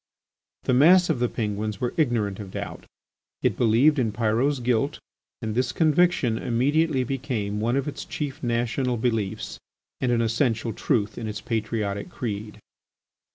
The mass of the Penguins were ignorant of doubt: it believed in Pyrot's guilt and this conviction immediately became one of its chief national beliefs and an essential truth in its patriotic creed.